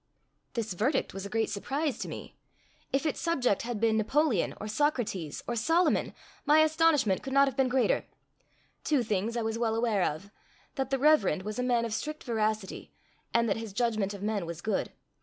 This verdict was a great surprise to me. If its subject had been Napoleon, or Socrates, or Solomon, my astonishment could not have been greater. Two things I was well aware of: that the Reverend was a man of strict veracity, and that his judgement of men was good.